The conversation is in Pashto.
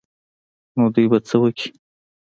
نو دوى به څه وکړي.